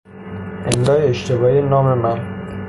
املای اشتباهی نام من